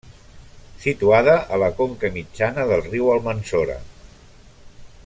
Situada a la conca mitjana del riu Almanzora.